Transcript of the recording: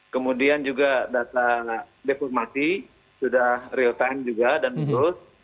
kemudian juga data deformasi sudah real time juga dan lulus